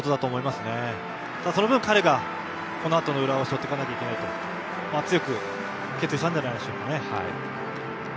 ただ、その分彼がこのあとの浦和を背負っていかないといけないと強く決意したんじゃないでしょうかね。